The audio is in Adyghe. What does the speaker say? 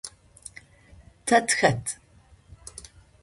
Тэ тыхэт?